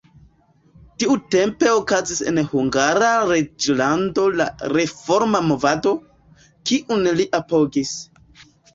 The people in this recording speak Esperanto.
Tiutempe okazis en Hungara reĝlando la reforma movado, kiun li apogis.